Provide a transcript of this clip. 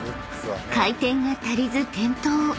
［回転が足りず転倒］